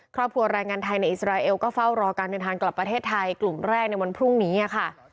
ครอบครัวแรงงานไทยในอิสราเอลก็เฝ้ารอการเดินทางกลับประเทศไทยกลุ่มแรกในวันพรุ่งนี้ค่ะ